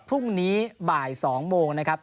พรุ่งนี้บ่าย๒โมงนะครับ